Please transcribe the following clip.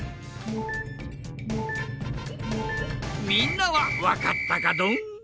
みんなはわかったかドン？